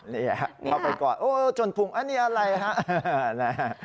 นี่ครับพ่อไปกลัวโอ้โฮจนพุงอันนี้อะไรฮะ